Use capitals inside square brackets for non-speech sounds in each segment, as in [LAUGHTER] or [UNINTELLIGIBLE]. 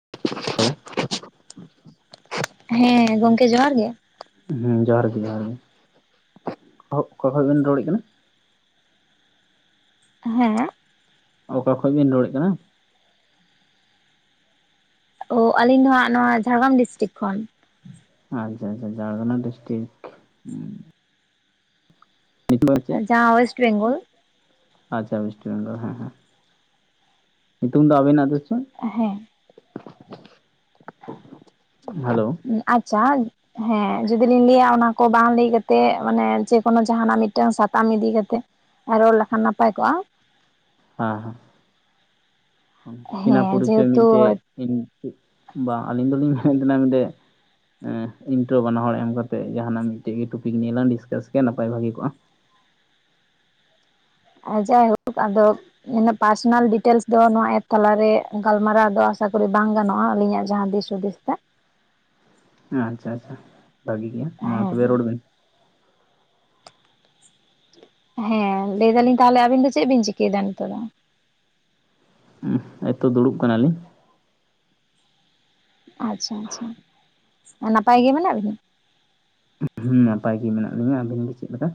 [INAUDIBLE] ᱦᱮᱸ ᱜᱚᱝᱠᱮ ᱡᱚᱦᱟᱨ ᱜᱮ ᱦᱩᱸ ᱡᱚᱦᱟᱨ ᱜᱮ ᱡᱚᱦᱟᱨ ᱜᱮ ᱦᱚᱜ ᱚᱠᱟ ᱠᱷᱚᱡ ᱵᱮᱱ ᱨᱚᱲᱮᱫ ᱠᱟᱱᱟ ᱦᱮᱸ ᱚᱠᱟ ᱠᱷᱚᱡ ᱵᱤᱱ ᱨᱚᱲᱮᱫ ᱠᱟᱱᱟ ᱚᱻ ᱟᱹᱞᱤᱧ ᱫᱚ ᱦᱟᱸᱜ ᱱᱚᱣᱟ ᱡᱷᱟᱲᱜᱨᱟᱢ ᱰᱤᱥᱴᱤᱠ ᱠᱷᱚᱱ ᱟᱪᱪᱷᱟ ᱟᱪᱪᱷᱟ ᱟᱪᱪᱷᱟ ᱡᱷᱟᱲᱜᱨᱟᱢ ᱰᱤᱥᱴᱤᱠ ᱧᱩᱛᱩᱢ ᱫᱚ ᱪᱮᱫ ᱡᱟᱦᱟᱸ ᱚᱭᱮᱥᱴ ᱵᱮᱝᱜᱚᱞ ᱟᱪᱪᱷᱟ ᱚᱭᱮᱥᱴ ᱵᱮᱝᱜᱚᱞ ᱦᱮᱸ ᱦᱮᱸ᱾ ᱧᱩᱛᱩᱢ ᱫᱚ ᱟᱹᱵᱤᱱᱟᱜ ᱫᱚ ᱪᱮᱫ? ᱮᱦᱮᱸᱻ ᱦᱮᱞᱳ ᱟᱪᱪᱷᱟ ᱦᱮᱸ ᱡᱩᱫᱤ ᱞᱤᱧ ᱞᱟᱹᱭᱟ ᱚᱱᱟ ᱠᱚ ᱵᱟᱝ ᱞᱟᱹᱭ ᱠᱟᱛᱮᱫ ᱢᱟᱱᱮ ᱡᱮᱠᱳᱱᱳ ᱡᱟᱦᱟᱱᱟᱜ ᱢᱤᱫᱴᱟᱹᱝ ᱥᱟᱛᱟᱢ ᱤᱫᱤ ᱠᱟᱛᱮᱜ ᱨᱚᱲ ᱞᱮᱠᱷᱟᱱ ᱱᱟᱯᱟᱭ ᱠᱚᱜᱼᱟ ᱦᱮᱸ ᱦᱮᱸ ᱪᱤᱱᱟᱹ ᱦᱮᱸ ᱯᱚᱨᱤᱪᱚᱭ ᱡᱮᱦᱮᱛᱩ ᱢᱤᱫᱴᱮᱡ [UNINTELLIGIBLE] ᱵᱟᱝ ᱟᱹᱞᱤᱧ ᱫᱚᱞᱤᱧ ᱢᱮᱱᱮᱫ ᱛᱟᱦᱮᱱᱟ ᱢᱤᱫᱴᱮᱡ ᱮᱸ ᱤᱱᱴᱨᱳ ᱵᱟᱱᱟ ᱦᱚᱲ ᱮᱢ ᱠᱟᱛᱮᱜ ᱡᱟᱦᱟᱱᱟᱜ ᱢᱤᱫᱴᱮᱡ ᱜᱮ ᱴᱚᱯᱤᱠ ᱱᱤᱭᱟᱹ ᱞᱟᱝ ᱰᱤᱥᱠᱟᱥ ᱠᱮᱭᱟ ᱱᱟᱯᱟᱭ ᱵᱷᱟᱹᱜᱤ ᱠᱚᱜᱼᱟ ᱡᱟᱭ ᱦᱳᱠ ᱟᱫᱚ ᱯᱟᱨᱥᱚᱱᱟᱞ ᱰᱤᱴᱮᱞᱥ ᱫᱚ ᱱᱚᱣᱟ ᱮᱯ ᱛᱟᱞᱟᱨᱮ ᱜᱟᱞᱢᱟᱨᱟᱣ ᱫᱚ ᱟᱥᱟ ᱠᱚᱨᱮ ᱫᱚ ᱵᱟᱝ ᱜᱟᱱᱚᱜᱼᱟ ᱟᱹᱞᱤᱧᱟᱜ ᱡᱟᱦᱟᱸ ᱫᱤᱥᱼᱼ ᱪᱩᱰᱤᱥᱛᱟ ᱦᱮᱸ ᱟᱪᱪᱷᱟ ᱟᱪᱪᱷᱟ ᱵᱷᱟᱹᱜᱤ ᱜᱮᱭᱟ ᱢᱟ ᱦᱮᱸ ᱛᱚᱵᱮ ᱨᱚᱲ ᱵᱤᱱ ᱦᱮᱸ ᱞᱟᱹᱭ ᱫᱟᱹᱞᱤᱧ ᱛᱟᱦᱚᱞᱮ ᱟᱹᱵᱤᱱ ᱫᱚ ᱪᱮᱫ ᱵᱤᱱ ᱪᱤᱠᱟᱹᱭᱮᱫᱟ ᱱᱤᱛᱚᱜ ᱫᱚ? ᱦᱮᱸᱻ ᱮᱭᱛᱚ ᱫᱩᱲᱩᱵ ᱠᱟᱱᱟᱞᱤᱧ ᱟᱪᱪᱷᱟ ᱟᱪᱪᱷᱟ ᱱᱟᱯᱟᱭ ᱜᱮ ᱢᱮᱱᱟᱜ ᱵᱮᱱᱟ? ᱩᱜ ᱦᱩᱸ ᱱᱟᱯᱟᱭ ᱜᱮ ᱢᱮᱱᱟᱜ ᱞᱤᱧᱟ ᱟᱹᱵᱤᱱ ᱜᱮ ᱪᱮᱫ ᱞᱮᱠᱟ?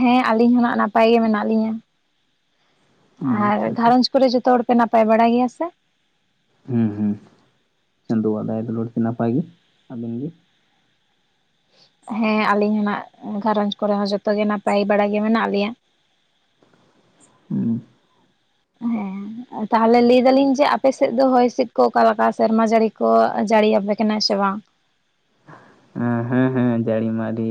ᱦᱮᱸ ᱟᱹᱞᱤᱧ ᱦᱚᱸ ᱱᱷᱟᱜ ᱱᱟᱯᱟᱭ ᱜᱮ ᱢᱮᱱᱟᱜ ᱞᱤᱧᱟ ᱦᱩᱸ ᱟᱨ ᱟᱪᱪᱷᱟ ᱟᱪᱪᱷᱟ ᱜᱷᱟᱨᱚᱸᱡᱽᱼᱼ ᱠᱚᱨᱮ ᱡᱚᱛᱚ ᱦᱚᱲ ᱯᱮ ᱱᱟᱯᱟᱭ ᱵᱟᱲᱟ ᱜᱮᱭᱟ ᱥᱮ? ᱦᱩᱸ ᱦᱩᱸ ᱪᱟᱸᱫᱚᱣᱟᱜ ᱫᱟᱭᱟ ᱫᱩᱞᱟᱹᱲ ᱛᱮ ᱱᱟᱯᱟᱭ ᱜᱮ ᱟᱵᱮᱱ ᱜᱮ? ᱦᱮᱸ ᱟᱹᱞᱤᱧ ᱦᱚᱸ ᱱᱷᱟᱜ ᱜᱷᱟᱨᱚᱸᱧᱡᱽ ᱠᱚᱨᱮ ᱦᱚᱸ ᱡᱚᱛᱚ ᱜᱮ ᱱᱟᱯᱟᱭ ᱵᱟᱲᱟ ᱜᱮ ᱢᱮᱱᱟᱜ ᱞᱮᱭᱟ᱾ [INAUDIBLE] ᱦᱩᱸ ᱦᱮᱸᱻ ᱛᱟᱦᱚᱞᱮ ᱞᱟᱹᱭ ᱫᱟᱹᱞᱤᱧ ᱡᱮ ᱟᱯᱮ ᱥᱮᱫ ᱫᱚ ᱦᱚᱭ ᱦᱤᱸᱥᱤᱫ ᱠᱚ ᱚᱠᱟ ᱞᱮᱠᱟ ᱥᱮᱨᱢᱟ ᱡᱟᱹᱲᱤ ᱠᱚ ᱡᱟᱹᱲᱤ ᱟᱯᱮ ᱠᱟᱱᱟᱭ ᱥᱮ ᱵᱟᱝ ᱦᱮᱸ ᱦᱮᱸ ᱡᱟᱹᱲᱤ ᱢᱟ ᱟᱹᱰᱤ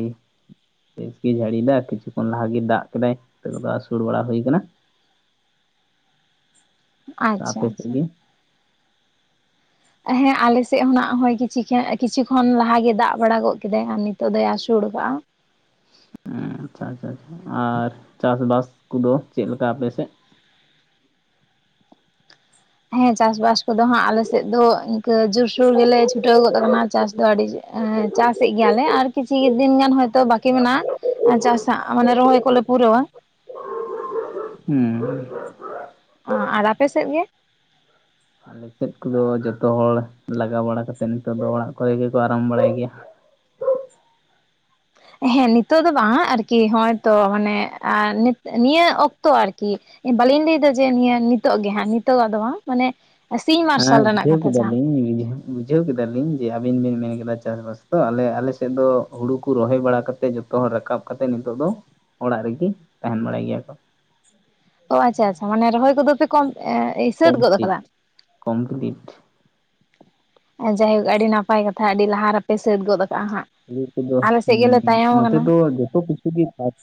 ᱵᱮᱥ ᱜᱮᱭ ᱡᱷᱟᱹᱲ ᱮᱫᱟᱭ ᱠᱤᱪᱷᱩ ᱠᱷᱚᱱ ᱞᱟᱦᱟ ᱜᱮ ᱫᱟᱜ ᱠᱮᱫᱟᱭ ᱱᱤᱛᱚᱜ ᱫᱚ ᱟᱹᱥᱩᱲ ᱵᱟᱲᱟ ᱦᱩᱭ ᱟᱠᱟᱱᱟ ᱟᱪᱪᱷᱟ ᱟᱯᱮ ᱥᱮᱫ ᱟᱪᱪᱷᱟ ᱜᱮ? ᱦᱮᱸ ᱟᱞᱮᱥᱮᱫ ᱦᱚᱸᱱᱟᱜ ᱠᱤᱪᱷᱤ ᱠᱷᱮ ᱠᱤᱪᱷᱩ ᱠᱷᱚᱱ ᱞᱟᱦᱟ ᱜᱮ ᱫᱟᱜ ᱵᱟᱲᱟ ᱜᱚᱫ ᱠᱮᱫᱟᱭ ᱟᱨ ᱱᱤᱛᱚᱜ ᱫᱚᱭ ᱟᱹᱥᱩᱲ ᱟᱠᱟᱜᱼᱟ ᱟᱪᱪᱷᱟ ᱟᱪᱪᱷᱟ ᱟᱪᱪᱷᱟ ᱟᱨ ᱪᱟᱥ ᱵᱟᱥ ᱠᱚᱫᱚ ᱪᱮᱫ ᱞᱮᱠᱟ ᱟᱯᱮᱥᱮᱫ ᱦᱮᱸ ᱪᱟᱥᱵᱟᱥ ᱠᱚᱫᱚ ᱦᱟᱸᱜ ᱟᱞᱮ ᱥᱮᱫ ᱫᱚ ᱤᱱᱠᱟᱹ ᱡᱳᱨᱥᱳᱨ ᱜᱮᱞᱮ ᱪᱷᱩᱴᱟᱹᱣ ᱜᱚᱫ ᱠᱟᱱᱟ ᱪᱟᱥ ᱫᱚ ᱟᱹᱰᱤ ᱪᱟᱥᱮᱫ ᱜᱮᱭᱟᱞᱮ ᱟᱨ ᱠᱤᱪᱷᱷᱤ ᱫᱤᱱ ᱜᱟᱱ ᱦᱚᱭᱛᱚ ᱵᱟᱠᱤ ᱢᱮᱱᱟᱜᱼᱟ᱾ ᱟᱨ ᱪᱟᱥᱟᱜ ᱢᱟᱱᱮ ᱨᱚᱦᱚᱭ ᱠᱚᱞᱮ ᱯᱩᱨᱟᱹᱣᱟ ᱦᱮᱸ ᱚ ᱟᱨ ᱟᱯᱮ ᱥᱮᱫ ᱜᱮ ᱟᱞᱮ ᱥᱮᱫ ᱠᱚᱫᱚ ᱡᱚᱛᱚ ᱦᱚᱲ ᱞᱟᱜᱟᱣ ᱵᱟᱲᱟ ᱠᱟᱛᱮᱫ ᱱᱤᱛᱚᱜ ᱫᱚ ᱚᱲᱟᱜ ᱠᱚᱨᱮ ᱜᱮᱠᱚ ᱟᱨᱟᱢ ᱵᱟᱲᱟᱭ ᱜᱮᱭᱟ᱾ ᱦᱮᱸ ᱱᱤᱛᱚᱜ ᱫᱚ ᱵᱟᱝ ᱟᱨᱠᱤ ᱦᱚᱸᱜᱚᱭ ᱛᱚ ᱢᱟᱱᱮ ᱟᱨ ᱱᱤᱭᱟᱹ ᱚᱠᱛᱚ ᱟᱨᱠᱤ ᱵᱟᱹᱞᱤᱧ ᱞᱟᱹᱭᱫᱟ ᱡᱮ ᱱᱤᱭᱟᱹ ᱱᱤᱛᱚᱜ ᱜᱮ ᱦᱟᱸᱜ ᱱᱤᱛᱚᱜᱟ ᱫᱚ ᱵᱟᱝ ᱢᱟᱱᱮ ᱥᱤᱧ ᱦᱮᱸ ᱢᱟᱨᱥᱟᱞ ᱨᱮᱱᱟᱜ ᱵᱩᱡᱷᱟᱹᱣ ᱠᱟᱛᱷᱟ ᱠᱮᱫᱟ ᱡᱟᱦᱟᱸ ᱞᱤᱧ ᱵᱩᱡᱷᱟᱹᱣ ᱠᱮᱫᱟ ᱞᱤᱧ ᱡᱮ ᱟᱵᱤᱱ ᱵᱤᱱ ᱢᱮᱱ ᱠᱮᱫᱟ ᱪᱟᱥ ᱵᱟᱥ ᱛᱚ ᱟᱞᱮ ᱟᱞᱮ ᱥᱮᱫ ᱫᱚ ᱦᱩᱲᱩ ᱠᱚ ᱨᱚᱦᱚᱭ ᱵᱟᱲᱟ ᱠᱟᱛᱮ ᱡᱚᱛᱚ ᱛᱚ ᱦᱚᱲ ᱨᱟᱠᱟᱵ ᱠᱟᱛᱮᱜ ᱱᱤᱛᱚᱜ ᱫᱚ ᱚᱲᱟᱜ ᱨᱮᱜᱮ ᱛᱟᱦᱸᱮᱱ ᱵᱟᱲᱟᱭ ᱜᱮᱭᱟ ᱠᱚ ᱚ ᱟᱪᱪᱷᱟ ᱟᱪᱪᱷᱟ ᱢᱟᱱᱮ ᱨᱚᱦᱚᱭ ᱠᱚᱫᱚ ᱯᱮ ᱠᱚᱢ ᱮ ᱥᱟᱹᱛ ᱜᱚᱫ ᱠᱚᱢᱯᱞᱤᱴ ᱠᱟᱫᱟ ᱠᱚᱢᱯᱞᱤᱴ ᱡᱟᱭ ᱦᱳᱠ ᱟᱹᱰᱤ ᱱᱟᱯᱟᱭ ᱠᱟᱛᱷᱟ ᱟᱹᱰᱤ ᱞᱟᱦᱟ ᱨᱮᱯᱮ ᱥᱟᱹᱛ ᱜᱚᱫ ᱟᱠᱟᱜᱼᱟ ᱦᱟᱸᱜ ᱟᱞᱮ ᱥᱮᱫ ᱜᱮᱞᱮ ᱛᱟᱭᱚᱢ [UNINTELLIGIBLE] ᱱᱚᱛᱮ ᱟᱠᱟᱱᱟ ᱫᱚ ᱡᱚᱛᱚ ᱠᱤᱪᱷᱩ ᱜᱮ ᱪᱟᱥ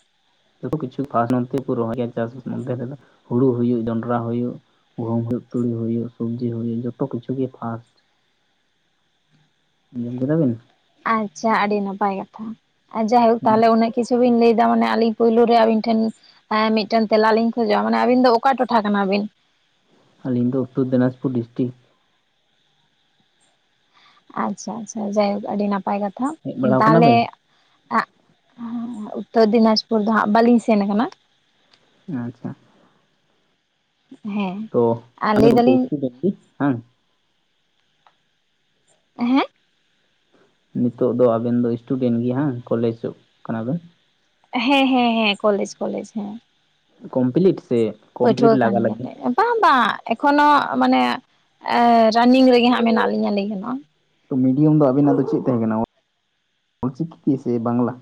ᱡᱚᱛᱚ ᱠᱤᱪᱷᱩ ᱯᱷᱟᱥ ᱱᱚᱛᱮ ᱠᱚ ᱨᱚᱦᱚᱭᱟ ᱪᱟᱥ ᱱᱚᱛᱮ ᱨᱮᱫᱚ ᱦᱳᱲᱳ ᱦᱩᱭᱩᱜ ᱡᱚᱱᱰᱨᱟ ᱦᱩᱭᱩᱜ ᱜᱩᱦᱩᱢ ᱦᱩᱭᱩᱜ ᱛᱩᱲᱤ ᱦᱩᱭᱩᱜ ᱥᱚᱵᱽᱡᱤ ᱦᱩᱭᱩᱜ ᱡᱚᱛᱚ ᱠᱤᱪᱷᱩ ᱜᱮ ᱯᱷᱟᱥᱴ ᱡᱚᱢ ᱠᱮᱫᱟ ᱵᱤᱱ ᱟᱪᱪᱷᱟ ᱟᱹᱰᱤ ᱱᱟᱯᱟᱭ ᱠᱟᱛᱷᱟ ᱡᱟᱭ ᱦᱳᱠ ᱛᱟᱦᱚᱞᱮ ᱩᱱᱟᱹᱜ ᱠᱤᱪᱷᱩ ᱵᱤᱱ ᱞᱟᱹᱭ ᱮᱫᱟ ᱢᱟᱱᱮ ᱟᱹᱞᱤᱧ ᱯᱳᱭᱞᱳ ᱨᱮ ᱟᱹᱵᱤᱱ ᱴᱷᱮᱱ ᱦᱮᱸ ᱢᱤᱫ ᱴᱮᱱ ᱛᱮᱞᱟ ᱞᱤᱧ ᱠᱷᱚᱡᱚᱜᱼᱟ ᱢᱟᱱᱮ ᱟᱹᱵᱤᱱ ᱫᱚ ᱚᱠᱟ ᱴᱚᱴᱷᱟ ᱠᱟᱱᱟ ᱵᱤᱱ ᱟᱹᱞᱤᱧ ᱫᱚ ᱩᱛᱛᱚᱨ ᱫᱤᱱᱟᱡᱽ ᱯᱩᱨ ᱰᱤᱥᱴᱤᱠ ᱟᱪᱪᱷᱟ ᱟᱪᱪᱷᱟ ᱡᱟᱭ ᱦᱳᱠ ᱟᱹᱰᱤ ᱱᱟᱯᱟᱭ ᱠᱟᱛᱷᱟ ᱦᱮᱡ ᱵᱟᱲᱟᱣ ᱠᱟᱱᱟ ᱛᱟᱦᱚᱞᱮ ᱵᱤᱱ ᱟᱜ ᱩᱛᱛᱚᱨ ᱫᱤᱱᱟᱡᱽ ᱯᱩᱨ ᱫᱚ ᱦᱟᱸᱜ ᱵᱟᱹᱞᱤᱧ ᱥᱮᱱ ᱠᱟᱱᱟ ᱟᱪᱪᱷᱟ ᱦᱮᱸ ᱛᱚ ᱟᱨ ᱟᱫᱚ ᱞᱟᱹᱭ ᱫᱟᱞᱤᱧ ᱥᱴᱩᱰᱮᱱᱴ ᱦᱮᱸ ᱮᱸᱦᱮᱸ ᱱᱤᱛᱚᱜ ᱫᱚ ᱟᱵᱤᱱ ᱫᱚ ᱥᱴᱩᱰᱮᱱᱴ ᱜᱮ ᱦᱟᱸ ᱠᱚᱞᱮᱡᱽᱚᱜ ᱠᱟᱱᱟ ᱵᱮᱱ ᱦᱮᱸ ᱦᱮᱸ ᱦᱮᱸ ᱠᱚᱞᱮᱡᱽ ᱠᱚᱞᱮᱡᱽ ᱦᱮᱸ ᱠᱚᱢᱯᱞᱤᱴ ᱥᱮ ᱯᱟᱹᱴᱷᱩᱣᱟᱹ ᱠᱚᱢᱯᱞᱤᱴ ᱠᱟᱱ ᱞᱟᱜᱟ ᱜᱮᱭᱟᱞᱮ ᱞᱟᱜᱤ ᱵᱟᱝ ᱵᱟᱝ ᱮᱠᱷᱚᱱᱳ ᱢᱟᱱᱮ ᱨᱟᱱᱤᱝ ᱨᱮᱜᱮ ᱦᱟᱸᱜ ᱢᱮᱱᱟᱜ ᱞᱤᱧᱟ ᱞᱟᱹᱭ ᱜᱟᱱᱚᱜᱼᱟ ᱛᱚ ᱢᱤᱰᱤᱭᱟᱢ ᱫᱚ ᱟᱵᱤᱱᱟᱜ ᱫᱚ ᱪᱮᱫ ᱛᱟᱦᱮᱸ ᱠᱟᱱᱟ ᱚᱞᱪᱤᱠᱤ ᱥᱮ ᱵᱟᱝᱞᱟ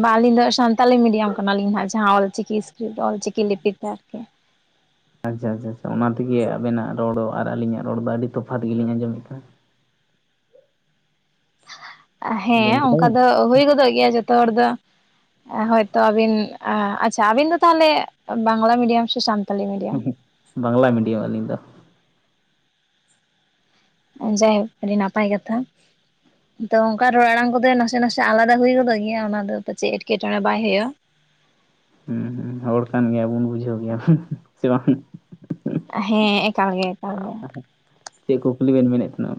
ᱵᱟᱝ ᱟᱹᱞᱤᱧ ᱫᱚ ᱥᱟᱱᱛᱟᱞᱤ ᱢᱤᱰᱤᱭᱟᱢ ᱠᱟᱱᱟᱞᱤᱧ ᱦᱟᱸᱜ ᱡᱟᱦᱟᱸ ᱚᱞᱪᱤᱠᱤ ᱤᱥᱠᱨᱤᱯᱴ ᱚᱞᱪᱤᱠᱤ ᱞᱤᱯᱤ ᱛᱮ ᱟᱨ ᱠᱤ ᱟᱪᱪᱷᱟ ᱟᱪᱪᱷᱟ ᱟᱪᱪᱷᱟ᱾ ᱚᱱᱟ ᱛᱮᱜᱮ ᱟᱵᱮᱱᱟᱜ ᱨᱚᱲ ᱟᱨ ᱟᱹᱞᱤᱧᱟᱜ ᱨᱚᱲ ᱫᱚ ᱟᱹᱰᱤ ᱛᱚᱯᱷᱟᱛ ᱜᱮᱞᱤᱧ ᱟᱸᱡᱚᱢᱮᱫ ᱠᱟᱱᱟ ᱦᱮᱸ ᱟᱸᱡᱚᱢ ᱠᱮᱫᱟ ᱚᱱᱠᱟ ᱵᱮᱱ ᱫᱚ ᱦᱩᱭ ᱜᱚᱫᱚᱜ ᱜᱮᱭᱟ ᱡᱚᱛᱚ ᱦᱚᱲ ᱫᱚ ᱦᱚᱭᱛᱚ ᱟᱵᱤᱱ ᱟᱪᱪᱷᱟ ᱟᱵᱤᱱ ᱫᱚ ᱛᱟᱦᱞᱮ ᱵᱟᱝᱞᱟ ᱢᱤᱰᱤᱭᱟᱢ ᱥᱮ ᱥᱟᱱ ᱦᱩᱸᱦᱩᱜ ᱵᱟᱝᱞᱟ ᱢᱤᱰᱤᱭᱟᱢ ᱟᱹᱞᱤᱧ ᱫᱚ ᱡᱟᱭᱦᱳᱠ ᱟᱹᱰᱤ ᱱᱟᱯᱟᱭ ᱠᱟᱛᱷᱟ ᱛᱚ ᱚᱱᱠᱟ ᱨᱚᱲ ᱟᱲᱟᱝ ᱠᱚᱫᱚ ᱱᱟᱥᱮ ᱱᱟᱥᱮ ᱟᱞᱟᱫᱟ ᱦᱩᱭ ᱜᱚᱫᱚᱜ ᱜᱮᱭᱟ ᱚᱱᱟ ᱫᱚ ᱪᱮᱫ ᱮᱴᱠᱮ ᱴᱚᱬᱮ ᱵᱟᱭ ᱦᱳᱭᱳᱜᱼᱟ ᱦᱮᱸ ᱦᱚᱲ ᱠᱟᱱ ᱜᱮᱭᱟ ᱵᱚᱱ ᱵᱩᱡᱷᱟᱹᱣ ᱜᱮᱭᱟ ᱵᱚᱱ ᱥᱮ ᱵᱟᱝ ᱦᱮᱸ ᱮᱠᱟᱞ ᱜᱮ ᱮᱠᱟᱞ ᱜᱮ ᱪᱮᱫ ᱠᱩᱠᱞᱤ ᱵᱮᱱ ᱢᱮᱱᱮᱫ ᱛᱟᱦᱮᱸᱱᱟ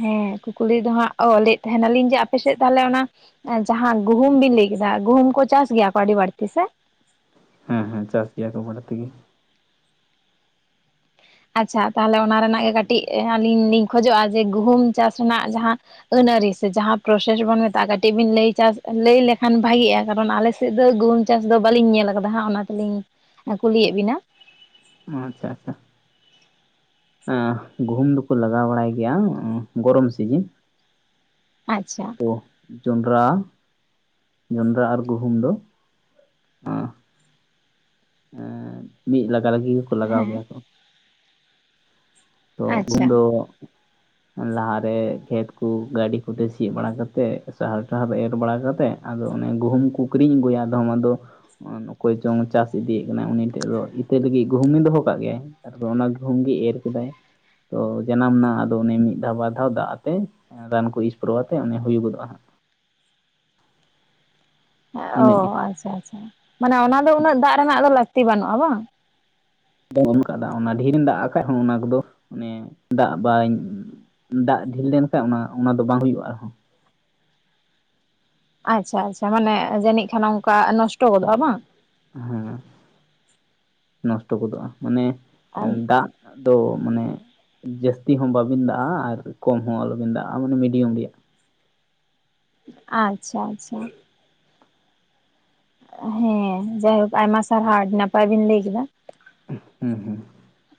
ᱦᱮᱸ ᱠᱩᱠᱞᱤ ᱫᱚ ᱦᱟᱸᱜ ᱚ ᱞᱟᱹᱭ ᱮᱫ ᱛᱟᱦᱮᱸᱱᱟᱞᱤᱧ ᱡᱮ ᱟᱯᱮ ᱥᱮᱫ ᱛᱟᱦᱚᱞᱮ ᱚᱱᱟ ᱡᱟᱦᱟᱸ ᱜᱩᱦᱩᱢ ᱵᱤᱱ ᱞᱟᱹᱭ ᱠᱮᱫᱟ ᱜᱩᱦᱩᱢ ᱠᱚ ᱪᱟᱥ ᱜᱮᱭᱟ ᱠᱚ ᱟᱹᱰᱤ ᱵᱟᱹᱲᱛᱤ ᱥᱮ ᱦᱮᱸ ᱦᱮᱸ ᱪᱟᱥ ᱜᱮᱭᱟ ᱠᱚ ᱵᱟᱹᱲᱛᱤ ᱜᱮ ᱟᱪᱪᱷᱟ ᱛᱟᱦᱚᱞᱮ ᱚᱱᱟ ᱨᱮᱱᱟᱜ ᱜᱮ ᱠᱟᱹᱴᱤᱡ ᱟᱹᱞᱤᱧ ᱞᱤᱧ ᱠᱷᱚᱡᱚᱜᱼᱟ, ᱡᱮ ᱜᱩᱦᱩᱢ ᱪᱟᱥ ᱨᱮᱱᱟᱜ ᱡᱟᱦᱟᱸ ᱟᱹᱱ ᱟᱹᱨᱤ ᱥᱮ ᱡᱟᱦᱟᱸ ᱯᱨᱚᱥᱮᱥ ᱵᱚᱱ ᱢᱮᱛᱟᱜᱼᱟ ᱠᱟᱹᱴᱤᱡ ᱵᱤᱱ ᱞᱟᱹᱭᱟ ᱪᱟᱥ ᱞᱟᱹᱭ ᱞᱮᱠᱷᱟᱱ ᱵᱷᱟᱜᱤᱜᱼᱟ ᱠᱟᱨᱚᱱ ᱟᱞᱮ ᱥᱮᱫ ᱫᱚ ᱜᱩᱦᱩᱢ ᱪᱟᱥ ᱫᱚ ᱵᱟᱞᱤᱧ ᱧᱮᱞ ᱟᱠᱟᱫᱟ ᱦᱟᱸᱜ ᱚᱱᱟ ᱛᱮᱞᱤᱧ ᱠᱩᱞᱤᱭᱮᱫ ᱵᱤᱱᱟ᱾ ᱚ ᱟᱪᱪᱷᱟ ᱟᱪᱪᱷᱟ ᱮᱸ ᱜᱩᱦᱩᱢ ᱫᱚᱠᱚ ᱞᱟᱜᱟᱣ ᱵᱟᱲᱟᱭ ᱜᱮᱭᱟ ᱜᱚᱨᱚᱢ ᱥᱤᱡᱤᱱ [INAUDIBLE] ᱟᱪᱪᱷᱟ ᱛᱚ ᱡᱚᱸᱰᱨᱟ ᱡᱚᱸᱰᱨᱟ ᱟᱨ ᱜᱩᱦᱩᱢ ᱫᱚ ᱟᱸ ᱮᱸ ᱢᱤᱫ ᱞᱟᱜᱟ ᱞᱟᱹᱜᱤ ᱜᱮᱠᱚ ᱞᱟᱜᱟᱣ ᱦᱮᱸ ᱜᱮᱭᱟ ᱠᱚ ᱛᱚ ᱜᱩᱦᱩᱢ ᱟᱪᱪᱷᱟ ᱫᱚ ᱞᱟᱦᱟ ᱨᱮ ᱠᱷᱮᱛ ᱠᱚ ᱜᱟᱹᱰᱤ ᱠᱚᱛᱮ ᱥᱤᱭ ᱵᱟᱲᱟ ᱠᱟᱛᱮᱜ ᱥᱟᱦᱟᱨ ᱴᱟᱦᱟᱨ ᱮᱨ ᱵᱟᱲᱟ ᱠᱟᱛᱮᱜ ᱟᱫᱚ ᱚᱱᱮ ᱜᱩᱦᱩᱢ ᱠᱚ ᱠᱤᱨᱤᱧ ᱟᱹᱜᱩᱭᱟ ᱟᱫᱚᱢ ᱟᱫᱚ ᱚᱠᱚᱭ ᱪᱚᱝ ᱪᱟᱥ ᱤᱫᱤᱭᱮᱫ ᱠᱟᱱᱟᱭ ᱩᱱᱤ ᱴᱷᱮᱡ ᱫᱚ ᱤᱛᱟᱹ ᱞᱟᱹᱜᱤᱫ ᱜᱩᱦᱩᱢ ᱮ ᱫᱚᱦᱚ ᱠᱟᱜ ᱜᱮᱭᱟᱭ ᱱᱮᱛᱟᱨ ᱫᱚ ᱚᱱᱟ ᱜᱩᱦᱩᱢ ᱜᱮ ᱮᱨ ᱠᱮᱫᱟᱭ ᱛᱚ ᱡᱟᱱᱟᱢ ᱮᱱᱟ ᱟᱫᱚ, ᱚᱱᱮ ᱢᱤᱫ ᱫᱷᱟᱣ ᱵᱟᱨ ᱫᱷᱟᱣ ᱫᱟᱜ ᱟᱛᱮ ᱨᱟᱱ ᱠᱚ ᱤᱥᱯᱨᱚ ᱟᱛᱮᱜ, ᱚᱱᱮ ᱦᱩᱭᱩᱜ ᱜᱚᱫᱚᱜᱼᱟ ᱦᱟᱜ ᱚ ᱤᱱᱟᱹᱜᱮ ᱟᱪᱪᱷᱟ ᱟᱪᱪᱷᱟ, ᱢᱟᱱᱮ ᱚᱱᱟ ᱫᱚ ᱩᱱᱟᱹᱜ ᱫᱟᱜ ᱨᱮᱱᱟᱜ ᱫᱚ ᱞᱟᱹᱠᱛᱤ ᱵᱟᱹᱱᱩᱜᱼᱟ ᱵᱟᱝ? ᱚᱱ ᱠᱟ [UNINTELLIGIBLE] ᱚᱱᱟ ᱰᱷᱤᱨᱮᱢ ᱫᱟᱜ ᱠᱷᱟᱡ ᱦᱚᱸ ᱚᱱᱟ ᱠᱚᱫᱚ ᱚᱱᱮ ᱫᱟᱜ ᱵᱟᱭ ᱫᱟᱜ ᱰᱷᱤᱞ ᱞᱮᱱᱠᱷᱟᱡ ᱚᱱᱟ ᱚᱱᱟ ᱫᱚ ᱵᱟᱝ ᱦᱩᱭᱩᱜᱼᱟ ᱟᱨᱦᱚᱸ᱾ ᱟᱪᱪᱷᱟ, ᱟᱪᱪᱷᱟ, ᱢᱟᱱᱮ ᱡᱟᱹᱱᱤᱡ ᱠᱷᱟᱱ ᱚᱱᱠᱟ ᱱᱚᱥᱴᱚ ᱜᱚᱫᱚᱜᱼᱟ ᱵᱟᱝ? ᱦᱮᱸ ᱱᱚᱥᱴᱚ ᱜᱚᱫᱚᱜᱼᱟ, ᱢᱟᱱᱮ ᱫᱟᱜᱼᱼ ᱫᱚ ᱢᱟᱱᱮ ᱡᱟᱹᱥᱛᱤ ᱦᱚᱸ ᱵᱟᱵᱤᱱ ᱫᱟᱜᱼᱟ, ᱟᱨ ᱠᱚᱢ ᱦᱚᱸ ᱟᱞᱚᱵᱤᱱ ᱫᱟᱜᱼᱟ, ᱢᱟᱱᱮ ᱢᱤᱰᱤᱭᱟᱢ ᱨᱮᱭᱟᱜ ᱟᱪᱪᱷᱟ, ᱟᱪᱪᱷᱟ᱾ ᱦᱮᱸ ᱡᱟᱭᱦᱳᱠ ᱟᱭᱢᱟ ᱥᱟᱨᱦᱟᱣ ᱟᱹᱰᱤ ᱱᱟᱯᱟᱭ ᱵᱤᱱ ᱞᱟᱹᱭ ᱠᱮᱫᱟ᱾ ᱦᱮᱸ ᱦᱮᱸ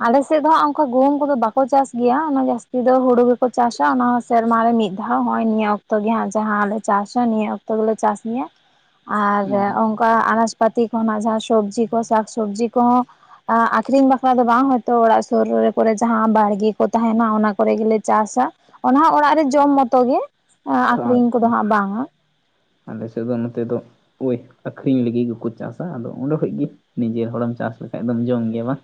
ᱟᱞᱮᱥᱮᱫ ᱫᱚ ᱦᱟᱸᱜ ᱚᱱᱠᱟ ᱜᱩᱦᱩᱢ ᱠᱚᱫᱚ ᱵᱟᱠᱚ ᱪᱟᱥ ᱜᱮᱭᱟ, ᱚᱱᱟ ᱡᱟᱹᱥᱛᱤ ᱫᱚ ᱦᱩᱲᱩ ᱜᱮᱠᱚ ᱪᱟᱥᱟ ᱚᱱᱟ᱾ ᱥᱮᱨᱢᱟ ᱨᱮ ᱢᱤᱫ ᱫᱷᱟᱣ ᱦᱚᱜᱼᱚᱭ ᱱᱤᱭᱟᱹ ᱚᱠᱛᱚ ᱜᱮ ᱦᱟᱸᱜ ᱡᱟᱦᱟᱸ ᱞᱮ ᱪᱟᱥᱟ ᱱᱤᱭᱟᱹ ᱚᱠᱛᱚ ᱜᱮᱞᱮ ᱪᱟᱥ ᱜᱮᱭᱟ [INAUDIBLE] ᱟᱨ ᱚᱱᱠᱟ ᱟᱱᱟᱡ ᱯᱟᱛᱤ ᱠᱚ ᱡᱟᱦᱟᱸ ᱥᱚᱵᱽᱡᱤ ᱠᱚ ᱥᱟᱠ ᱥᱚᱵᱽᱡᱤ ᱠᱚᱦᱚᱸ ᱟᱠᱷᱨᱤᱧ ᱵᱟᱼ ᱚᱠᱟ ᱫᱚ ᱵᱟᱝ, ᱦᱚᱭᱛᱳ ᱚᱲᱟᱜ ᱥᱩᱨ ᱨᱮ ᱠᱚᱨᱮ ᱡᱟᱦᱟᱸ ᱵᱟᱲᱜᱮ ᱠᱚ ᱛᱟᱦᱮᱱᱟ ᱚᱱᱟ ᱠᱚᱨᱮ ᱜᱮᱞᱮ ᱪᱟᱥᱟ ᱚᱱᱟ ᱦᱚ ᱚᱲᱟᱜ ᱨᱮ ᱡᱚᱢ ᱢᱚᱛᱚᱜᱤ, ᱟᱪᱪᱷᱟ ᱟᱠᱷᱨᱤᱧ ᱠᱚᱫᱚ ᱦᱟᱸᱜ ᱵᱟᱝᱟ᱾ ᱟᱞᱮ ᱥᱮᱫ ᱫᱚ ᱱᱚᱛᱮ ᱫᱚ ᱳᱭ ᱟᱠᱷᱨᱤᱧ ᱞᱟᱹᱜᱤᱫ ᱜᱮᱠᱚ ᱪᱟᱥᱟ, ᱟᱫᱚ ᱚᱸᱰᱮ ᱠᱷᱚᱡ ᱜᱤ ᱱᱤᱡᱮᱨ ᱦᱚᱲᱮᱢ ᱪᱟᱥ ᱞᱮᱠᱷᱟᱡ ᱫᱚᱢ ᱡᱚᱢ ᱜᱮᱭᱟ, ᱵᱟᱝ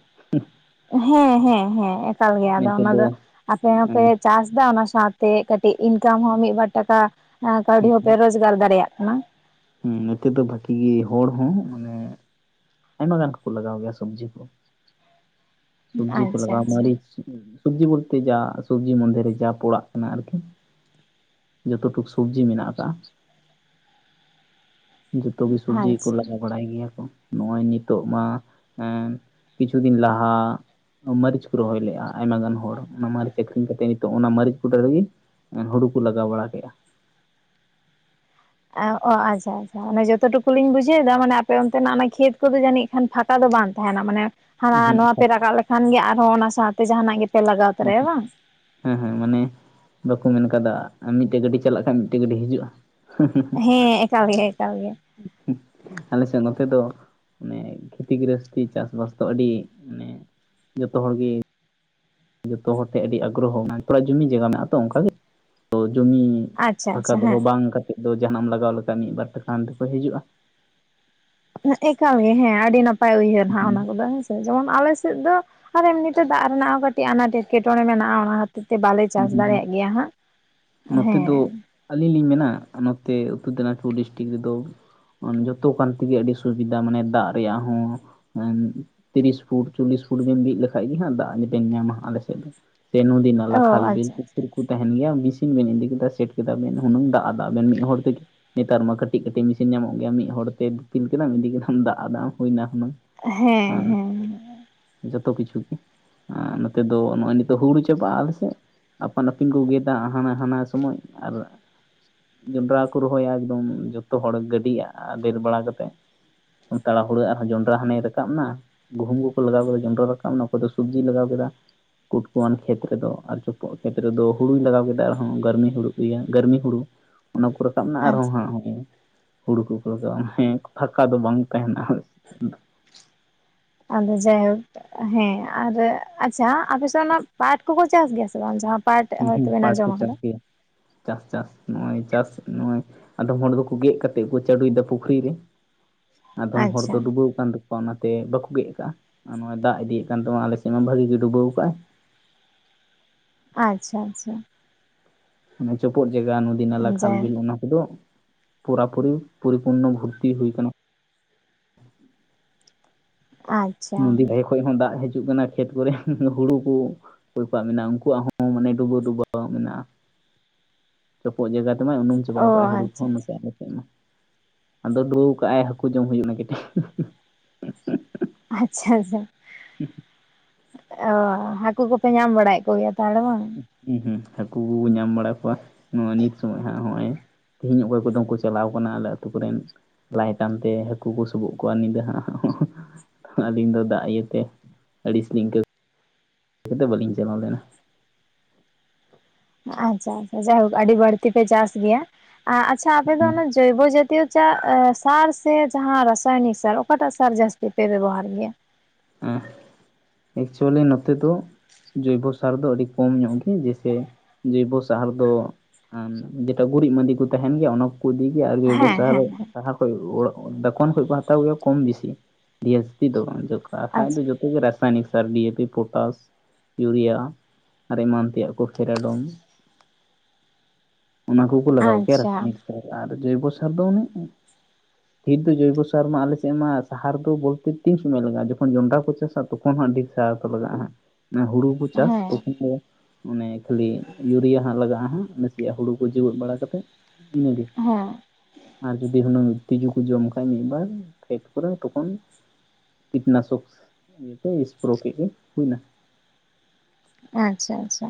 ᱦᱮᱸ ᱦᱮᱸ ᱦᱮᱸ ᱮᱠᱟᱞ ᱜᱮᱭᱟ, ᱟᱫᱚ ᱚᱱᱟ ᱫᱚ ᱟᱯᱮ ᱦᱚᱸᱯᱮ ᱦᱮᱸ ᱪᱟᱥ ᱮᱫᱟ ᱚᱱᱟ ᱥᱟᱶᱛᱮ ᱠᱟᱹᱴᱤᱡ ᱤᱱᱠᱟᱢ ᱦᱚᱸ ᱢᱤᱫ ᱵᱟᱨ ᱴᱟᱠᱟ ᱠᱟᱹᱣᱰᱤ ᱦᱚᱸ ᱯᱮ ᱨᱳᱡᱽᱜᱟᱨ ᱫᱟᱲᱮᱭᱟᱜ ᱠᱟᱱᱟ᱾ ᱦᱮᱸ ᱱᱚᱛᱮ ᱫᱚ ᱵᱷᱟᱜᱤ ᱦᱚᱲ ᱦᱚᱸ, ᱢᱟᱱᱮ ᱟᱭᱢᱟ ᱜᱟᱱ ᱠᱚᱠᱚ ᱞᱟᱜᱟᱣ ᱜᱮᱭᱟ ᱥᱚᱵᱡᱤ ᱠᱚ, ᱥᱚᱵᱡᱤ ᱠᱚ ᱟᱪᱪᱷᱟ ᱞᱟᱜᱟᱣ ᱟᱪᱪᱷᱟ ᱢᱟᱹᱨᱤᱪ ᱥᱚᱵᱡᱤ ᱵᱚᱞᱛᱮ ᱡᱟ ᱥᱚᱵᱡᱤ ᱢᱚᱫᱽᱫᱷᱮᱨᱮ ᱡᱟ ᱯᱚᱲᱟᱜ ᱠᱟᱱᱟ ᱟᱨᱠᱤ ᱡᱚᱛᱚ ᱴᱩᱠ ᱥᱚᱵᱡᱤ ᱢᱮᱱᱟᱜ ᱟᱠᱟᱫ᱾ ᱡᱚᱛᱚ ᱜᱮ ᱥᱚᱵᱡᱤ ᱠᱚ ᱟᱪᱪᱷᱟ ᱞᱟᱜᱟᱣ ᱵᱟᱲᱟᱭ ᱜᱮᱭᱟ ᱠᱚ, ᱱᱚᱜᱼᱚᱭ ᱱᱤᱛᱚᱜ ᱢᱟ ᱠᱤᱪᱷᱩ ᱫᱤᱱ ᱞᱟᱦᱟᱜ ᱢᱟᱹᱨᱤᱪ ᱠᱚ ᱨᱚᱦᱚᱭ ᱞᱮᱜᱼᱟ ᱟᱭᱢᱟ ᱜᱟᱱ ᱦᱚᱲ ᱚᱱᱟ ᱢᱟᱹᱨᱤᱪ ᱟᱠᱷᱨᱤᱧ ᱠᱟᱛᱮᱜ ᱱᱤᱛᱚᱜ ᱚᱱᱟ ᱢᱟᱹᱨᱤᱪ ᱜᱚᱰᱟ ᱨᱮᱜᱮᱼᱼ ᱦᱩᱲᱩ ᱠᱚ ᱞᱟᱜᱟᱣ ᱵᱟᱲᱟ ᱠᱮᱫᱟ᱾ ᱚ ᱟᱪᱪᱷᱟ ᱟᱪᱪᱷᱟ ᱚᱱᱮ ᱡᱚᱛᱚ ᱴᱩᱠᱩ ᱞᱤᱧ ᱵᱩᱡᱷᱟᱹᱣ ᱮᱫᱟ ᱢᱟᱱᱮ ᱟᱯᱮ ᱚᱱᱛᱮᱱᱟᱜ ᱚᱱᱟ ᱠᱷᱮᱛ ᱠᱚᱫᱚ ᱡᱟᱹᱱᱤᱡ ᱮᱱᱠᱷᱟᱱ ᱯᱷᱟᱸᱠᱟ ᱫᱚ ᱵᱟᱝ ᱛᱟᱦᱮᱱᱟ ᱢᱟᱱᱮᱼᱼ ᱦᱟᱱᱟ ᱱᱚᱣᱟ ᱯᱮ ᱨᱟᱠᱟᱵ ᱞᱮᱠᱷᱟᱱ ᱜᱮ ᱟᱨᱦᱚᱸ ᱚᱱᱟ ᱥᱟᱶᱛᱮ ᱡᱟᱦᱟᱱᱟᱜ ᱜᱮᱯᱮ ᱞᱟᱜᱟᱣ ᱛᱚᱨᱟᱭᱟ ᱵᱟᱝ? ᱦᱮᱸ ᱦᱮᱸ ᱢᱟᱱᱮ ᱵᱟᱠᱚ ᱢᱮᱱ ᱟᱠᱟᱫᱟ ᱢᱤᱫᱴᱮᱡ ᱜᱟᱹᱰᱤ ᱪᱟᱞᱟᱜ ᱠᱷᱟᱱ ᱢᱤᱫᱴᱮᱡ ᱜᱟᱹᱰᱤ ᱦᱤᱡᱩᱜᱼᱟ᱾ ᱦᱮᱸ ᱮᱠᱟᱞ ᱜᱮ ᱮᱠᱟᱞ ᱜᱮ ᱟᱞᱮ ᱥᱮᱫ ᱱᱚᱛᱮ ᱫᱚ ᱚᱱᱮ ᱠᱷᱮᱛᱤ ᱜᱨᱚᱦᱚᱥᱛᱤ ᱪᱟᱥᱵᱟᱥ ᱫᱚ ᱟᱹᱰᱤ ᱢᱟᱱᱮ ᱡᱚᱛᱚ ᱦᱚᱲ ᱜᱤ᱾ ᱡᱚᱛᱚ ᱦᱚᱲ ᱴᱷᱮᱱ ᱟᱹᱰᱤ ᱟᱜᱽᱨᱚᱦᱚ ᱢᱮᱱᱟᱜᱼᱟ, ᱛᱷᱚᱲᱟ ᱡᱩᱢᱤ ᱡᱟᱭᱜᱟ ᱢᱮᱱᱟᱜᱼᱟ ᱛᱚ ᱚᱱᱠᱟᱜᱮ ᱛᱚ ᱡᱩᱢᱤ ᱟᱪᱪᱷᱟ ᱯᱷᱟᱸᱠᱟ ᱟᱪᱪᱷᱟ ᱦᱮᱸ ᱫᱚᱦᱚ ᱵᱟᱝ ᱠᱟᱛᱮᱫ ᱫᱚ ᱡᱟᱦᱟᱱᱟᱜ ᱮᱢ ᱞᱟᱜᱟᱣ ᱞᱮᱠᱷᱟᱡ ᱢᱤᱫ ᱵᱟᱨ ᱴᱟᱠᱟ ᱦᱟᱱᱛᱮ ᱠᱷᱚᱱ ᱦᱤᱡᱩᱜᱼᱟ᱾ ᱮᱠᱟᱞ ᱜᱮ ᱦᱮᱸ ᱟᱹᱰᱤ ᱱᱟᱯᱟᱭ, ᱩᱭᱦᱟᱹᱨ ᱦᱟᱸᱜ ᱦᱩᱸ ᱚᱱᱟ ᱠᱚᱫᱚ ᱡᱮᱢᱚᱱ ᱟᱞᱮ ᱥᱮᱫ ᱫᱚ, ᱟᱨ ᱮᱢᱱᱤᱛᱮ ᱫᱟᱜ ᱨᱮᱱᱟᱜ ᱦᱚᱸ ᱠᱟᱹᱴᱤᱡ ᱟᱱᱟᱴ ᱮᱴᱠᱮᱴᱚᱬᱮ ᱢᱮᱱᱟᱜᱼᱟ ᱚᱱᱟᱼᱼ ᱠᱷᱟᱹᱛᱤᱨ ᱛᱮ ᱵᱟᱞᱮ ᱦᱩᱸ ᱪᱟᱥ ᱦᱩᱸ ᱫᱟᱲᱮᱭᱟᱜ ᱜᱮᱭᱟ ᱦᱟᱸᱜ ᱱᱚᱛᱮ ᱦᱮᱸ ᱫᱚ ᱟᱹᱞᱤᱧ ᱞᱤᱧ ᱢᱮᱱᱟ, ᱱᱚᱛᱮ ᱩᱛᱛᱚᱨ ᱫᱤᱱᱟᱡᱽᱯᱩᱨ ᱰᱤᱥᱴᱤᱠ ᱨᱮᱫᱚ ᱡᱚᱛᱚ ᱠᱟᱱ ᱛᱮᱜᱮ ᱟᱹᱰᱤ ᱥᱩᱵᱤᱫᱷᱟ, ᱢᱟᱱᱮ ᱫᱟᱜ ᱨᱮᱭᱟᱜ ᱦᱚᱸ᱾ ᱛᱤᱨᱤᱥ ᱯᱷᱩᱴ ᱪᱚᱞᱞᱤᱥ ᱯᱷᱩᱴ ᱵᱮᱢ ᱵᱤᱫ ᱞᱮᱠᱟᱱᱡ ᱜᱮ, ᱫᱟᱜ ᱵᱮᱱ ᱧᱟᱢᱟ ᱟᱞᱮᱥᱮᱫ ᱫᱚ᱾ ᱥᱮ ᱱᱩᱫᱤ, ᱱᱟᱞᱟ, ᱚ ᱠᱷᱟᱞ, ᱵᱤᱞ, ᱟᱪᱪᱷᱟ ᱯᱩᱠᱩᱨ ᱛᱟᱦᱮᱱ ᱜᱮᱭᱟ ᱢᱮᱥᱤᱱ ᱵᱮᱱ ᱤᱫᱤ ᱠᱮᱫᱟ ᱥᱮᱴ ᱠᱮᱫᱟ ᱵᱮᱮᱱ ᱦᱩᱱᱟᱹᱝ ᱫᱟᱜ ᱟᱫᱟ ᱵᱮᱱ ᱢᱤᱫ ᱦᱚᱲ ᱛᱮ ᱱᱮᱛᱟᱨ ᱢᱟ ᱠᱟᱹᱴᱤᱡ ᱠᱟᱹᱴᱤᱡ ᱢᱮᱥᱤᱱ ᱧᱟᱢᱚᱜ ᱜᱮᱭᱟ ᱢᱤᱫ ᱦᱚᱲ ᱛᱮ ᱫᱤᱯᱤᱞ ᱠᱮᱫᱟᱢ ᱤᱫᱤ ᱠᱮᱫᱟᱢ ᱫᱟᱜ ᱟᱫ ᱦᱩᱭᱱᱟ ᱦᱩᱱᱟᱹᱝ᱾ ᱦᱮᱸ ᱦᱮᱸ ᱡᱚᱛᱚ ᱠᱤᱪᱷᱩ ᱜᱮ, ᱟᱨ ᱱᱚᱛᱮ ᱫᱚ ᱱᱚᱜᱼᱚᱭ ᱱᱤᱛᱚᱜ ᱦᱩᱲᱩ ᱪᱟᱵᱟᱜᱼᱟ ᱟᱞᱮᱥᱮᱫ᱾ ᱟᱯᱟᱱ ᱟᱹᱯᱤᱱ ᱠᱚ ᱜᱮ ᱫᱟᱜ ᱦᱟᱱᱟ ᱦᱟᱱᱟ ᱥᱚᱢᱚᱭ ᱟᱨ ᱡᱚᱱᱰᱨᱟ ᱠᱚ ᱨᱚᱦᱚᱭᱟ ᱮᱠᱫᱚᱢ ᱡᱚᱛᱚ ᱦᱚᱲ ᱜᱟᱹᱰᱤ ᱟᱫᱮᱨ ᱵᱟᱲᱟ ᱠᱟᱛᱮᱫ ᱾ ᱛᱟᱲᱟ ᱦᱩᱲᱟᱹ ᱟᱨᱦᱚᱸ ᱡᱚᱱᱰᱨᱟ ᱦᱟᱱᱮ ᱨᱟᱠᱟᱵ ᱮᱱᱟ ᱜᱩᱦᱩᱢ ᱠᱚᱠᱚ ᱞᱟᱜᱟᱣ ᱠᱮᱫᱟ ᱡᱚᱱᱰᱨᱟ ᱨᱟᱠᱟᱵ ᱮᱱᱟ ᱾ ᱚᱠᱚᱭ ᱫᱚ ᱥᱚᱵᱽᱡᱤ ᱞᱟᱜᱟᱣ ᱠᱮᱫᱟ ᱠᱩᱴ ᱠᱚᱣᱟᱱ ᱠᱷᱮᱛ ᱨᱮᱫᱚ ᱟᱨ ᱯᱚᱜ ᱠᱷᱮᱛ ᱨᱮᱫᱚ ᱦᱩᱲᱩᱭ ᱞᱟᱜᱟᱣ ᱠᱮᱫᱟ ᱟᱨᱦᱚᱸ ᱾ ᱜᱟᱹᱨᱢᱤ ᱦᱩᱲᱩ ᱜᱮᱭᱟ ᱜᱟᱹᱨᱢᱤ ᱦᱩᱲᱩ ᱚᱱᱟ ᱠᱚ ᱨᱟᱠᱟᱵ ᱮᱱᱟ ᱾ ᱟᱨᱦᱚᱸ ᱟᱪᱪᱷᱟ ᱦᱟᱸᱜ ᱦᱩᱲᱩ ᱠᱚᱠᱚ ᱨᱟᱠᱟᱵᱟ ᱾ ᱦᱮᱸ ᱯᱷᱟᱠᱟ ᱫᱚ ᱵᱟᱝ ᱛᱟᱦᱮᱱᱟ ᱟᱫᱚ ᱡᱟᱭᱦᱳᱠ ᱦᱮᱸ ᱟᱨ ᱟᱪᱪᱷᱟ ᱟᱯᱮ ᱥᱮᱫ ᱚᱱᱟ ᱯᱟᱴ ᱠᱚᱠᱚ ᱪᱟᱥ ᱜᱮᱭᱟ ᱥᱮ ᱵᱟᱝ? ᱡᱟᱦᱟᱸ- ᱯᱟᱴ ᱦᱳᱭᱛᱚᱵᱮᱱ ᱯᱟᱴ ᱠᱚ ᱟᱸᱡᱚᱢ ᱪᱟᱥ ᱟᱠᱟᱫᱟ ᱾ ᱜᱮᱭᱟ ᱪᱟᱥ ᱪᱟᱥ ᱱᱚᱜᱼᱚᱭ ᱪᱟᱥ ᱱᱚᱜᱼᱚᱭ ᱟᱫᱚᱢ ᱦᱚᱲ ᱫᱚᱠᱚ ᱜᱮᱫ ᱠᱟᱛᱮᱫ ᱠᱚ ᱪᱟᱰᱩᱭᱮᱫᱟ ᱯᱩᱠᱷᱨᱤ ᱨᱮ ᱟᱫᱚᱢ ᱦᱚᱲ ᱟᱪᱪᱷᱟ ᱫᱚ ᱰᱩᱵᱟᱹᱣ ᱠᱟᱱ ᱛᱟᱠᱚᱣᱟ ᱚᱱᱟᱛᱮ ᱵᱟᱠᱚ ᱜᱮᱫ ᱟᱠᱟᱜᱼᱟ ᱱᱚᱜᱼᱚᱭ ᱫᱟᱜ ᱤᱫᱤᱭᱮᱫ ᱠᱟᱱ ᱛᱮᱢᱟ ᱟᱞᱮ ᱥᱮᱫ ᱢᱟ ᱵᱷᱟᱜᱤ ᱜᱮ ᱰᱩᱵᱟᱹᱣ ᱟᱠᱟᱫᱼᱟᱭ ᱟᱪᱪᱷᱟ ᱟᱪᱪᱷᱟ ᱚᱱᱮ ᱪᱚᱯᱚᱫ ᱡᱟᱜᱟ ᱱᱚᱫᱤ ᱱᱟᱞᱟ ᱠᱷᱟᱞ ᱵᱤᱞ ᱡᱟᱭᱦᱳᱠ ᱚᱱᱟ ᱠᱚᱫᱚ ᱯᱩᱨᱟ ᱯᱩᱨᱤ ᱯᱚᱨᱤᱯᱩᱨᱱᱚ ᱵᱷᱚᱨᱛᱤ ᱦᱩᱭ ᱠᱟᱱᱟ ᱾ [UNINTELLIGIBLE] ᱱᱚᱫᱤ [UNINTELLIGIBLE] ᱠᱷᱚᱡ ᱦᱚᱸ ᱫᱟᱜ ᱦᱤᱡᱩᱜ ᱠᱟᱱᱟ ᱠᱷᱮᱛ ᱠᱚᱨᱮ ᱦᱩᱲᱩ ᱠᱩ ᱚᱠᱚᱭ ᱠᱚᱣᱟᱜ ᱢᱮᱱᱟᱜ-ᱟ ᱩᱱᱠᱩᱣᱟᱜ ᱦᱚᱸ ᱢᱟᱱᱮ ᱰᱩᱵᱟᱹ ᱰᱩᱵᱟᱹ ᱢᱮᱱᱟᱜᱼᱟ ᱪᱚᱯᱚᱜ ᱡᱟᱜᱟ ᱛᱮᱢᱟ ᱩᱱᱩᱢ ᱪᱟᱵᱟᱣ ᱚ ᱠᱟᱜ ᱟᱭ ᱦᱩᱲᱩ ᱟᱪᱪᱷᱟ ᱠᱚᱦᱚᱸ ᱱᱚᱛᱮ ᱟᱞᱮ ᱥᱮᱫ ᱢᱟ ᱟᱫᱚ ᱰᱩᱰᱨᱩ ᱠᱟᱜ-ᱟᱭ ᱦᱟᱹᱠᱩ ᱡᱚᱢ ᱦᱩᱭᱩᱜ ᱱᱟ ᱠᱟᱹᱴᱤᱡ ᱟᱪᱪᱷᱟ ᱟᱪᱪᱷᱟ [UNINTELLIGIBLE] ᱚ ᱦᱟᱹᱠᱩ ᱠᱚᱯᱮ ᱧᱟᱢ ᱵᱟᱲᱟᱭᱮᱫ ᱠᱚᱜᱮᱭᱟ ᱛᱟᱦᱚᱞᱮ ᱵᱟᱝ? [INAUDIBLE] ᱦᱟᱹᱠᱩ ᱧᱟᱢ ᱵᱟᱲᱟ ᱠᱚᱣᱟ ᱱᱚᱣᱟᱜ ᱱᱤᱛ ᱥᱚᱢᱚᱭ ᱦᱟᱸᱜ ᱱᱚᱜᱼᱚᱭ ᱛᱮᱦᱤᱧ ᱚᱠᱚᱭ ᱠᱚᱫᱚ ᱠᱚ ᱪᱟᱞᱟᱣ ᱠᱟᱱᱟ ᱟᱞᱮ ᱟᱛᱳ ᱠᱚᱨᱮᱱ ᱞᱟᱭᱤᱴ ᱟᱱᱛᱮ ᱦᱟᱹᱠᱩ ᱠᱚ ᱥᱚᱵᱚᱜ ᱠᱚᱣᱟ ᱧᱤᱫᱟᱹ ᱦᱟᱸᱜ ᱟᱹᱞᱤᱧ ᱫᱚ ᱫᱟᱜ ᱤᱭᱟᱹᱛᱮ ᱟᱹᱲᱤᱥ ᱞᱤᱧ ᱟᱹᱭᱠᱟᱹᱭᱼ ᱛᱮ ᱵᱟᱹᱞᱤᱧ ᱪᱟᱞᱟᱣ ᱞᱮᱱᱟ ᱾ ᱟᱪᱪᱷᱟ ᱟᱪᱪᱷᱟ ᱡᱟᱭᱦᱳᱠ ᱟᱹᱰᱤ ᱵᱟᱹᱲᱛᱤ ᱯᱮ ᱪᱟᱥ ᱜᱮᱭᱟ ᱾ ᱟᱪᱪᱷᱟ ᱟᱯᱮ ᱫᱚ ᱚᱱᱮ ᱦᱩᱸ ᱡᱚᱭᱵᱚ ᱡᱟᱛᱤᱭᱚ ᱪᱟᱨ ᱮᱜ ᱥᱟᱨ ᱥᱮ ᱡᱟᱦᱟ ᱨᱟᱥᱟᱭᱚᱱᱤᱠ ᱥᱟᱨ ᱚᱠᱟᱴᱟᱜ ᱥᱟᱨ ᱡᱟᱹᱥᱛᱤ ᱯᱮ ᱵᱮᱵᱚᱦᱟᱨ ᱜᱮᱭᱟ? ᱟᱨ ᱮᱠᱪᱩᱭᱮᱞᱤ ᱱᱚᱛᱮ ᱫᱚ ᱡᱚᱭᱵᱚᱼ ᱼᱟᱨ ᱫᱚ ᱟᱹᱰᱤ ᱠᱚᱢ ᱧᱚᱜ ᱜᱮ ᱾ ᱡᱮᱭᱥᱮ ᱡᱚᱭᱵᱳ ᱥᱟᱦᱟᱨ ᱫᱚ ᱟᱱ ᱡᱮᱴᱟ ᱜᱩᱨᱤᱡ ᱢᱟᱸᱫᱤ ᱠᱚ ᱛᱟᱦᱮᱱ ᱜᱮᱭᱟ ᱚᱱᱟ ᱠᱚᱠᱚ ᱤᱫᱤ ᱜᱮᱭᱟ ᱟᱨ ᱡᱚᱭᱵᱳ ᱦᱮᱸ ᱥᱟᱦᱟᱨ ᱦᱮᱸ ᱥᱟᱦᱟᱨ [INAUDIBLE] ᱫᱚᱠᱟᱱ ᱠᱷᱚᱱ ᱠᱚ ᱦᱟᱛᱟᱣ ᱜᱮᱭᱟ ᱠᱚᱢ ᱵᱤᱥᱤ ᱡᱟᱹᱥᱛᱤ ᱫᱚ ᱵᱟᱝ ᱾ ᱡᱚᱠᱷᱟ ᱠᱷᱟᱱ ᱫᱚ ᱟᱪᱪᱷᱟ ᱡᱚᱛ ᱜᱮ ᱨᱟᱥᱤ ᱨᱟᱥᱟᱭᱚᱱᱤᱠ ᱥᱟᱨ, D A P potash urea ᱟᱨ ᱮᱢᱟᱱ ᱛᱮᱭᱟᱜ ᱠᱚ ᱯᱷᱮᱨᱟᱰᱚᱢ ᱚᱱᱟ ᱠᱚᱠᱚ ᱞᱟᱜᱟᱣ ᱜᱮᱭᱟ ᱟᱪᱪᱷᱟ ᱨᱟᱥᱟᱭᱚᱱᱤᱠ ᱥᱟᱨ ᱟᱨ ᱡᱚᱭᱵᱳ ᱥᱟᱨ ᱫᱚ ᱚᱱᱮ ᱰᱷᱤᱨ ᱫᱚ ᱡᱚᱭᱵᱳ ᱥᱟᱨ ᱢᱟ ᱟᱞᱮ ᱥᱮᱫ ᱢᱟ ᱥᱟᱦᱟᱨ ᱫᱚ ᱵᱚᱞᱛᱮ ᱛᱤᱱ ᱥᱚᱢᱚᱭ ᱞᱟᱜᱟᱜ-ᱟ ᱡᱚᱠᱷᱚᱱ ᱡᱚᱱᱰᱨᱟ ᱠᱚ ᱪᱟᱥᱟ ᱛᱚᱠᱷᱚᱱ ᱦᱟᱜ ᱰᱷᱤᱨ ᱥᱟᱦᱟᱨ ᱫᱚ ᱞᱟᱜᱟᱜᱼᱟ ᱦᱟᱜ ᱾ ᱦᱩᱲᱩ ᱠᱚ ᱪᱟᱥ ᱦᱮᱸ ᱛᱚᱠᱷᱚᱱ ᱫᱚ ᱚᱱᱮ ᱠᱷᱟᱹᱞᱤ ᱤᱭᱩᱨᱤᱭᱟ ᱦᱟᱸᱜ ᱞᱟᱜᱟᱜ-ᱟ ᱦᱟᱸᱜ ᱱᱟᱥᱮᱭᱟᱜ ᱦᱩᱲᱩ ᱠᱚ ᱡᱮᱣᱮᱫ ᱵᱟᱲᱟ ᱠᱟᱛᱮᱜ ᱤᱱᱟᱹ ᱜᱮ ᱾ ᱦᱮᱸ ᱟᱨ ᱡᱩᱫᱤ ᱦᱩᱱᱟᱹᱝ ᱛᱤᱡᱩ ᱠᱚ ᱡᱚᱢ ᱠᱷᱟᱡ ᱢᱤᱫᱵᱟᱨ ᱠᱷᱮᱛ ᱠᱚᱨᱮ ᱛᱚᱠᱷᱚᱱ ᱠᱤᱴᱱᱟᱥᱚᱠᱥ ᱤᱭᱟᱹᱛᱮ ᱥᱯᱨᱳ ᱠᱮᱫ ᱜᱮ ᱦᱩᱭᱱᱟ ᱟᱪᱪᱷᱟ ᱟᱪᱪᱷᱟ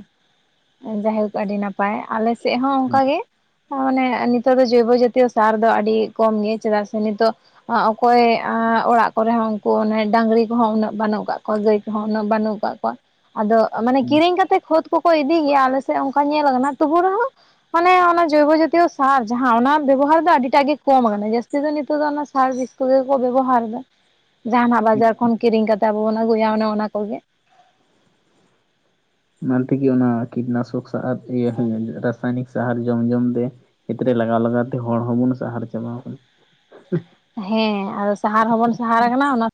ᱡᱟᱦᱮᱨ ᱠᱚ ᱟᱹᱰᱤ ᱱᱟᱯᱟᱭ ᱟᱞᱮ ᱥᱮᱫ ᱦᱚᱸ ᱚᱱᱠᱟ ᱜᱮ ᱦᱚᱸ ᱢᱟᱱᱮ ᱱᱤᱛᱚᱜ ᱫᱚ ᱡᱚᱭᱵᱳ ᱡᱟᱛᱤᱭᱚ ᱥᱟᱨ ᱫᱚ ᱟᱹᱰᱤ ᱠᱚᱢ ᱜᱮ ᱪᱮᱫᱟᱜ ᱥᱮ ᱱᱤᱛᱚᱜ ᱚᱠᱚᱭ ᱚᱲᱟᱜ ᱠᱚᱨᱮ ᱦᱚᱸ ᱩᱱᱠᱩ ᱚᱱᱮ ᱰᱟᱝᱜᱨᱤ ᱠᱚᱦᱚᱸ ᱩᱱᱟᱹᱜ ᱵᱟᱹᱱᱩᱜ ᱠᱟᱜ ᱠᱚᱣᱟ ᱜᱟᱹᱭ ᱩᱱᱟᱹᱜ ᱵᱟᱹᱱᱩᱜ ᱟᱠᱟᱜ ᱠᱚᱣᱟ ᱟᱫᱚ ᱢᱟᱱᱮ ᱠᱤᱨᱤᱧ ᱠᱟᱛᱮᱜ ᱠᱷᱚᱛ ᱠᱚᱠᱚ ᱤᱫᱤ ᱜᱮᱭᱟ ᱟᱞᱮ ᱥᱮᱫ ᱚᱱᱠᱟ ᱧᱮᱞ ᱟᱠᱟᱱᱟ ᱛᱩᱵᱩ ᱨᱮᱦᱚᱸ ᱢᱟᱱᱮ ᱚᱱᱟ ᱡᱚᱭᱵᱳ ᱡᱟᱛᱤᱭᱳ ᱥᱟᱨ ᱡᱟᱦᱟ ᱚᱱᱟ ᱵᱮᱵᱚᱦᱟᱨ ᱫᱚ ᱟᱹᱰᱤᱴᱟᱜ ᱜᱮ ᱠᱚᱢ ᱟᱠᱟᱱᱟ ᱡᱟᱹᱥᱛᱤ ᱫᱚ ᱱᱤᱛᱚᱜ ᱫᱚ ᱚᱱᱟ ᱥᱟᱨ ᱵᱤᱥ ᱠᱩ ᱜᱮᱠᱚ ᱵᱮᱵᱚᱦᱟᱨ ᱫᱟ [INAUDIBLE] ᱡᱟᱦᱟᱱᱟᱜ ᱵᱟᱡᱟᱨ ᱠᱷᱚᱱ ᱠᱤᱨᱤᱧ ᱠᱟᱛᱮᱜ ᱟᱵᱚ ᱵᱚᱱ ᱟᱹᱜᱩᱭᱟ ᱚᱱᱮ ᱚᱱᱟ ᱠᱚᱜᱮ ᱚᱱᱟ ᱛᱮᱜᱮ ᱚᱱᱟ ᱠᱤᱴᱱᱟᱥᱚᱠ ᱥᱟᱨ ᱤᱭᱟᱹ ᱨᱟᱥᱟᱭᱱᱤᱠ ᱥᱟᱦᱟᱨ ᱡᱚᱢ ᱡᱚᱢ ᱛᱮ ᱠᱷᱮᱛᱨᱮ ᱞᱟᱜᱟᱣ ᱞᱟᱜᱟᱣ ᱛᱮ ᱦᱚᱲ ᱦᱚᱸ ᱵᱚᱱ ᱥᱟᱦᱟᱨ ᱪᱟᱵᱟᱣ ᱠᱟᱱᱟ ᱦᱮᱸ ᱟᱫᱚ ᱥᱟᱦᱟᱨ ᱦᱚᱸ ᱵᱚᱱ ᱥᱟᱦᱟᱨ ᱠᱟᱱᱟ ᱚᱱᱟ